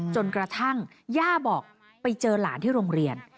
จนกระทั่งย่าบอกไปเจอหลานที่โรงเรียน